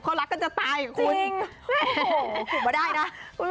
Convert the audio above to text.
ชัดเจนนะ